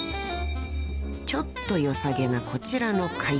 ［ちょっとよさげなこちらの絵画］